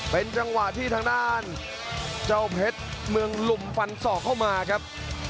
เป็นจังหวะที่ทางด้านเจ้าเพชรเมืองลุมฟันศอกเข้ามาครับ